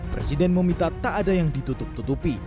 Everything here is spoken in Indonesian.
presiden meminta tak ada yang ditutupi